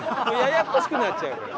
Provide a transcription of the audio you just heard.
ややこしくなっちゃうから。